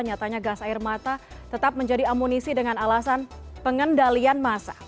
nyatanya gas air mata tetap menjadi amunisi dengan alasan pengendalian massa